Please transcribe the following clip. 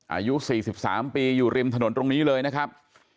อายุ๔๓ปีอยู่ริมถนนตรงนี้เลยนะครับ